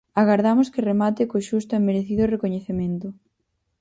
"Agardamos que remate co xusto e merecido recoñecemento".